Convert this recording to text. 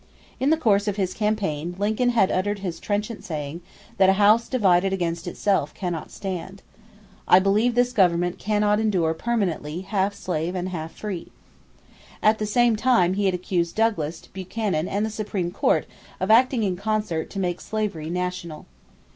In the course of his campaign Lincoln had uttered his trenchant saying that "a house divided against itself cannot stand. I believe this government cannot endure permanently half slave and half free." At the same time he had accused Douglas, Buchanan, and the Supreme Court of acting in concert to make slavery national.